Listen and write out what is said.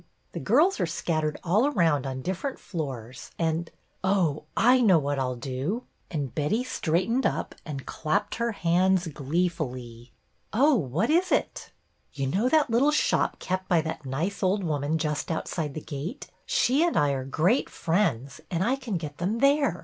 The girls are scattered all around on different floors, and — oh, I know what I 'll do !" and Betty straightened up and clapped her hands gleefully. " Oh, what is it ?" "You know that little shop kept by that nice old woman just outside the gate.? She and I are great friends, and I can get them there.